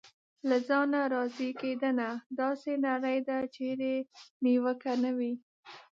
له ځانه راضي کېدنه: داسې نړۍ ده چېرې نیوکه نه وي.